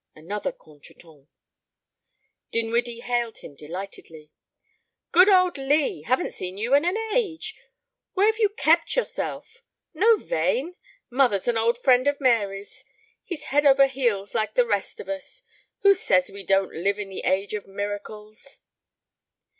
Another contretemps. Dinwiddie hailed him delightedly. "Good old Lee! Haven't seen you in an age. Where've you kept yourself? Know Vane? Mother's an old friend of Mary's. He's head over like the rest of us. Who says we don't live in the age of miracles?"